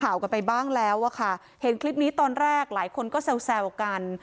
ข่าวกันไปบ้างแล้วอะค่ะเห็นคลิปนี้ตอนแรกหลายคนก็แซวกัน